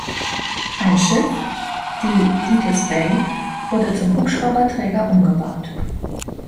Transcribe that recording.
Ein Schiff, die Thetis Bay, wurde zum Hubschrauberträger umgebaut.